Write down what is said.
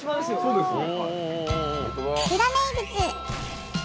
そうですね。